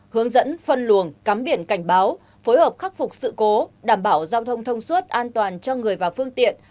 hướng dẫn phân luồng cắm biển cảnh báo phối hợp khắc phục sự cố đảm bảo giao thông thông suốt an toàn cho người và phương tiện